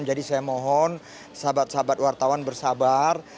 jadi saya mohon sahabat sahabat wartawan bersabar